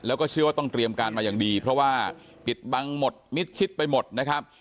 แล้วก็เชื่อว่าต้องเตรียมการมาอย่างดีเพราะว่าปิดบังหมดมิดชิดไปหมดนะครับ